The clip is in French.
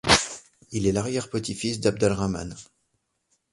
Il est l'arrière-petit-fils d'Abd al-Rahman.